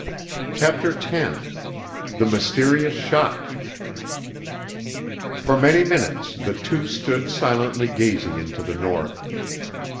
CHAPTER X THE MYSTERIOUS SHOT For many minutes the two stood silently gazing into the North.